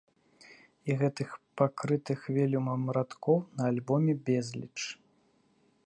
І гэтых пакрытых вэлюмам радкоў на альбоме безліч.